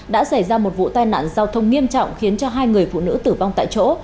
đã xảy ra một vụ tai nạn giao thông nghiêm trọng khiến hai người phụ nữ tử vong tại chỗ